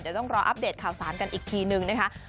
เดี๋ยวต้องรออัปเดตข่าวสารกันอีกทีนึงนะคะ